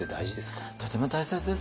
とても大切ですよね。